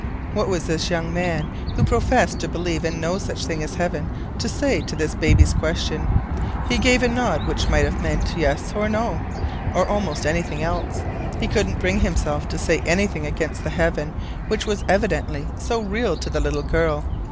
What was this young man, who professed to believe in no such thing as heaven, to say to this baby's question? He gave a nod which might have meant yes or no, or almost anything else. He couldn't bring himself to say anything against the heaven which was evidently so real to the little girl.